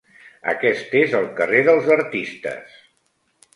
Aquest és el carrer dels artistes.